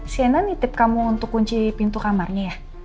cnn nitip kamu untuk kunci pintu kamarnya ya